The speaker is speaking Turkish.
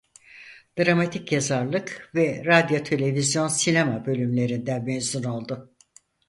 Dramatik Yazarlık ve Radyo Televizyon Sinema bölümlerinden mezun oldu.